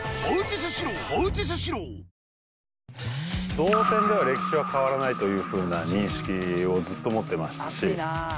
同点では歴史は変わらないというふうな認識をずっと持ってましたし。